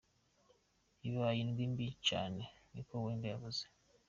Ibaye indwi mbi cane,” ni ko Wenger yavuze.